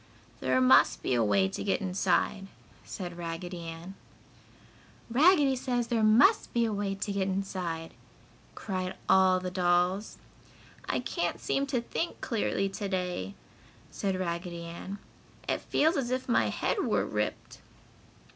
"There must be a way to get inside," said Raggedy Ann. "Raggedy says there must be a way to get inside!" cried all the dolls. "I can't seem to think clearly to day," said Raggedy Ann. "It feels as if my head were ripped."